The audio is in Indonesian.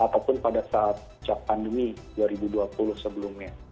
ataupun pada saat pandemi dua ribu dua puluh sebelumnya